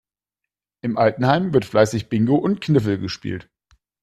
Im Altenheim wird fleißig Bingo und Kniffel gespielt.